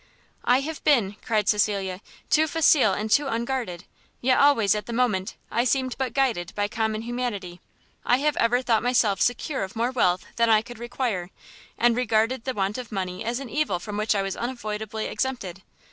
"I have been," cried Cecilia, "too facile and too unguarded; yet always, at the moment, I seemed but guided by common humanity. I have ever thought myself secure of more wealth than I could require, and regarded the want of money as an evil from which I was unavoidably exempted.